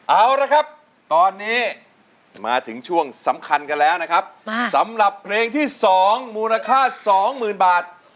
เอาละครับตอนนี้มาถึงช่วงสำคัญกันแล้วนะครับสำหรับเพลงที่๒มูลค่า๒๐๐๐บาท